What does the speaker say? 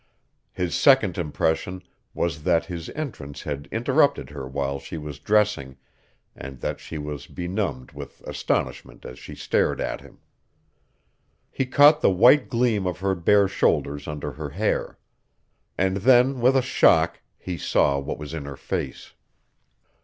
His second impression was that his entrance had interrupted her while she was dressing and that she was benumbed with astonishment as she stared at him. He caught the white gleam of her bare shoulders under her hair. And then, with a shock, he saw what was in her face.